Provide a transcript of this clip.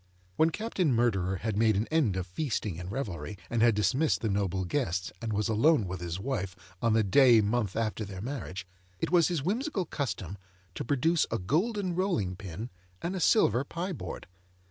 When Captain Murderer had made an end of feasting and revelry, and had dismissed the noble guests, and was alone with his wife on the day month after their marriage, it was his whimsical custom to produce a golden rolling pin and a silver pie board.